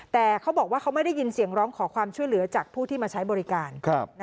แต่เขาบอกว่าเขาไม่ได้ยินเสียงร้องขอความช่วยเหลือจากผู้ที่มาใช้บริการ